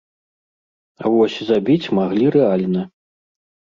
А вось забіць маглі рэальна.